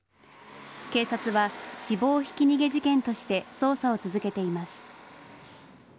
警察は死亡ひき逃げ事件として捜査を続けています。